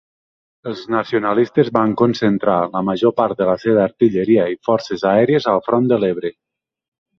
Els nacionalistes van concentrar la major part de la seva artilleria i forces aèries al front de l'Ebre.